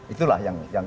itulah yang kita lakukan